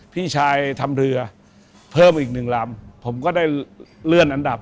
พี่ชายทำเรือเพิ่มอีกหนึ่งลำผมก็ได้เลื่อนอันดับ